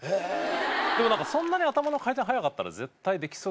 でもそんなに頭の回転速かったら絶対できそう。